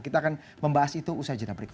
kita akan membahas itu usai jenah berikut